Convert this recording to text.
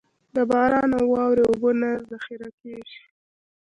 د باران او واورې اوبه نه ذخېره کېږي.